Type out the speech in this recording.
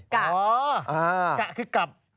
กะคือกับ